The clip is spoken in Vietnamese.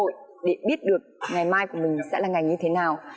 mình sẽ không có cơ hội để biết được ngày mai của mình sẽ là ngày như thế nào